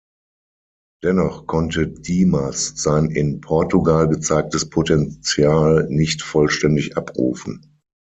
Dennoch konnte Dimas sein in Portugal gezeigtes Potential nicht vollständig abrufen.